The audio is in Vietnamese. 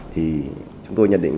thì chúng tôi nhận định